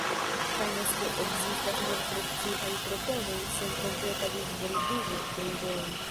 Ŝajnas ke ekzistas nur precipaj proponoj sen kompleta disvolvigo de ideoj.